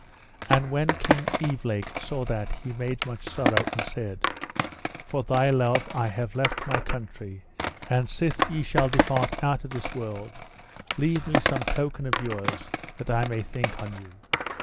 And when King Evelake saw that he made much sorrow, and said: For thy love I have left my country, and sith ye shall depart out of this world, leave me some token of yours that I may think on you.